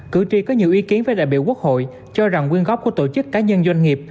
cử tri có nhiều ý kiến với đại biểu quốc hội cho rằng quyên góp của tổ chức cá nhân doanh nghiệp